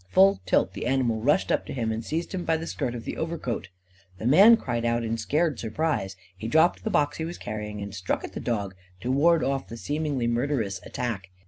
Full tilt, the animal rushed up to him and seized him by the skirt of the overcoat. The man cried out in scared surprise. He dropped the box he was carrying and struck at the dog, to ward off the seemingly murderous attack.